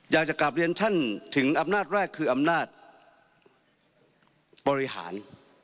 อยากจะกลับเรียนท่านถึงอำนาจแรกคืออำนาจบริหาร